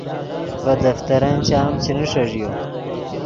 ڤے دفترن چام چے نیݰݱیو